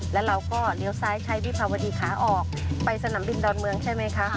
แล้วเราก็เลี้ยวซ้ายใช้วิภาวดีขาออกไปสนามบินดอนเมืองใช่ไหมคะ